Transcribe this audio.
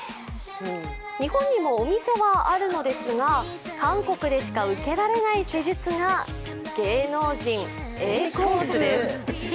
日本にもお店はあるのですが、韓国でしか受けられない施術が芸能人Ａコースです。